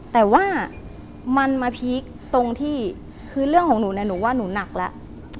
แต่ว่ามันมาพีคตรงที่คือเรื่องของหนูเนี่ยหนูว่าหนูหนักแล้ว